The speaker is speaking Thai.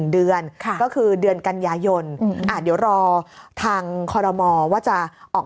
เดือนก็คือเดือนกันยายนเดี๋ยวรอทางคอรมอว่าจะออก